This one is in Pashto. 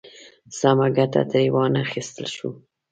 سمه ګټه ترې وا نخیستل شوه.